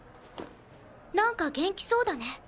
なんか元気そうだね。